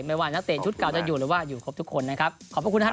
แม้ว่านักเตชุดเกาจะอยู่หรือว่าอยู่ทุกคนนะครับขอบคุณท่าน